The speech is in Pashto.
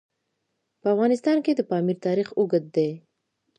په افغانستان کې د پامیر تاریخ اوږد دی.